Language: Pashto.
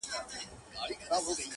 دوی تماشې ته ورلره راسي -